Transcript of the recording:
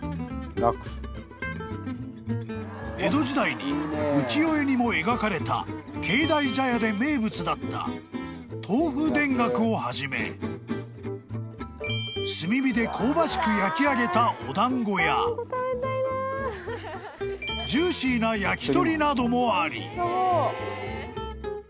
［江戸時代に浮世絵にも描かれた境内茶屋で名物だった豆腐田楽をはじめ炭火で香ばしく焼き上げたお団子やジューシーな焼き鳥などもあり］